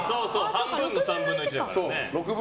半分の３分の１だからね。